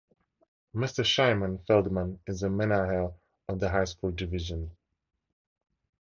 Mr Shimon Feldman is the menahel of the high school division.